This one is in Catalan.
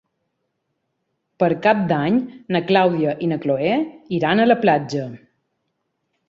Per Cap d'Any na Clàudia i na Cloè iran a la platja.